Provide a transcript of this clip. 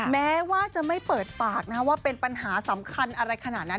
แม้ว่าจะไม่เปิดปากนะว่าเป็นปัญหาสำคัญอะไรขนาดนั้น